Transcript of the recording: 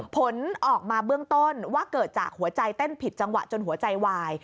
ผลออกมาเบื้องต้นว่าเกิดจากหัวใจเต้นผิดจังหวะจนหัวใจวาย